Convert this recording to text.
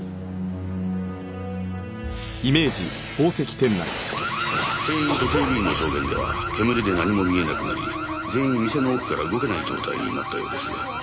店員と警備員の証言では煙で何も見えなくなり全員店の奥から動けない状態になったようです。